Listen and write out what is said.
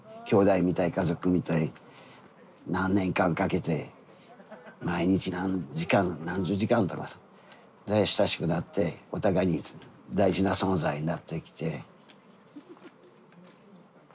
きょうだいみたい家族みたい何年間かけて毎日何時間何十時間とかさで親しくなってお互いに大事な存在になってきて。